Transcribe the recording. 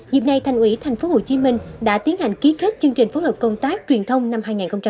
dịp này thành ủy tp hcm đã tiến hành ký kết chương trình phối hợp công tác truyền thông năm hai nghìn hai mươi